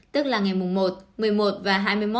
tức là ngày mùng một một mươi một và hai mươi một